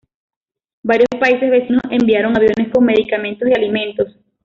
Varios países vecinos enviaron aviones con medicamentos y alimentos.